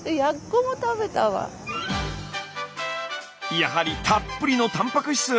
やはりたっぷりのたんぱく質。